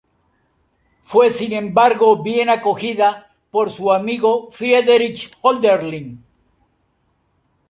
Fue sin embargo bien acogida por su amigo Friedrich Hölderlin.